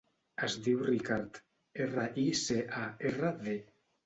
Es diu Ricard: erra, i, ce, a, erra, de.